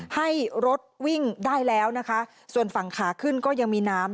ให้รถวิ่งได้แล้วนะคะส่วนฝั่งขาขึ้นก็ยังมีน้ำ